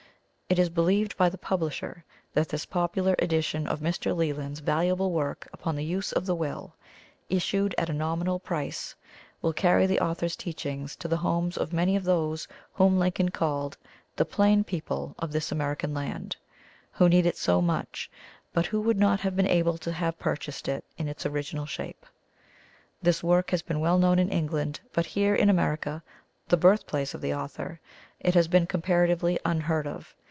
It is believed by the publisher that this popular edition of Mr. Leland's valuable work upon the Use of the Will, issued at a nominal price, will carry the author's teachings to the homes of many of those whom Lincoln called the "plain people" of this American land, who need it so much, but who would not have been able to have purchased it in its original shape. This work has been well known in England, but here, in America, the birthplace of the author, it has been comparatively unheard of.